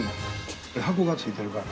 箱が付いてるから。